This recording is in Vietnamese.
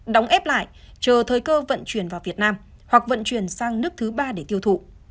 đóng ép lại chờ thời cơ vận chuyển vào việt nam hoặc vận chuyển sang nước thứ ba để tiêu thụ